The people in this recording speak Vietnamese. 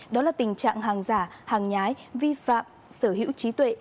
đó là tình trạng hàng giả hàng nhái vi phạm sở hữu trí tuệ